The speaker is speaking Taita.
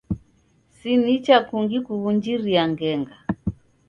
Si n icha kungi kuw'unjiria ngenga.